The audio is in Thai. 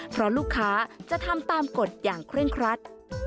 เพราะลูกค้าจะทำตามกฎอย่างเคร่งครัด